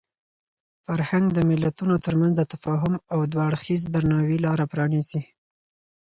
فرهنګ د ملتونو ترمنځ د تفاهم او دوه اړخیز درناوي لاره پرانیزي.